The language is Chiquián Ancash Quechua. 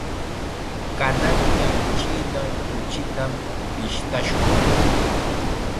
Kananqa china kuchitam pishtashun.